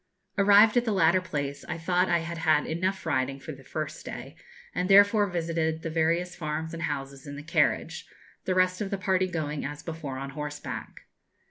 Arrived at the latter place, I thought I had had enough riding for the first day, and therefore visited the various farms and houses in the carriage, the rest of the party going, as before, on horseback.